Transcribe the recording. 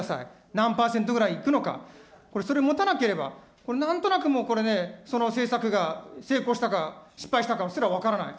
何％ぐらいいくのか、これ、それ持たなければ、なんとなく、これね、政策が成功したか、失敗したかかも分からない。